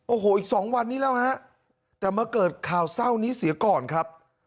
โอ้โหอีก๒วันนี้แล้วฮะแต่มาเกิดข่าวเศร้านี้เสียก่อนครับ